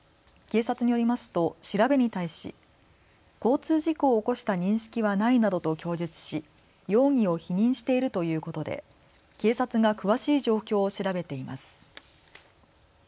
警察によりますと調べに対し交通事故を起こした認識はないなどと供述し容疑を否認しているということで警察が詳しい状況を調べています。